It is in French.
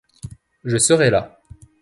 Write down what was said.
Je serai là.